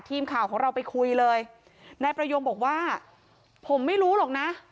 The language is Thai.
ทีมข่าวของเราไปคุยเลยนายประยงบอกว่าผมไม่รู้หรอกนะ